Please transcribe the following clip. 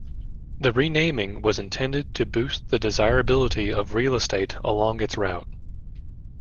The renaming was intended to boost the desirability of real estate along its route.